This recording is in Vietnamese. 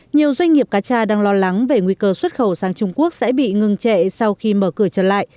nhiều doanh nghiệp cá tra đang lo lắng về nguy cơ xuất khẩu sang trung quốc sẽ bị ngừng chạy sau khi mở cửa trở lại